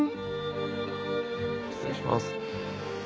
失礼します。